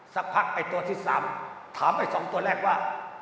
สักพักไอ้ตัวที่๓ถามไอ้๒ตัวแรกว่า